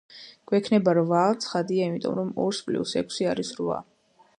გვექნება რვა, ცხადია, იმიტომ რომ ორს პლიუს ექვსი არის რვა.